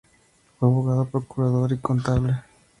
Fue abogado, procurador y contable.